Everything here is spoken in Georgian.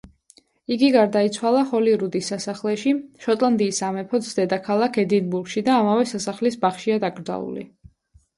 იგი გარდაიცვალა ჰოლირუდის სასახლეში, შოტლანდიის სამეფოს დედაქალაქ ედინბურგში და ამავე სასახლის ბაღშია დაკრძალული.